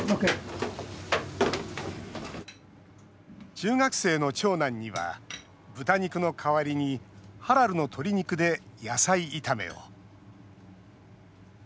中学生の長男には豚肉の代わりにハラルの鶏肉で野菜炒めを。